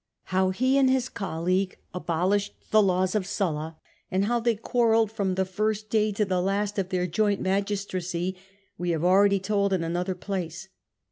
How he and his colleague abolished the laws of Sulla, and how they quarrelled from the first day to the last of their joint magistracy, we have already told in another place.